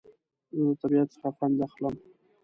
زه د طبیعت څخه خوند اخلم